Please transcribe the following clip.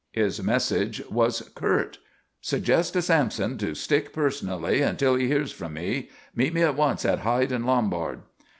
His message was curt: "Suggest to Sampson to stick personally until he hears from me. Meet me at once at Hyde and Lombard."